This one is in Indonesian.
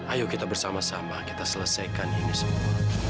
ayo kita bersama sama kita selesaikan ini semua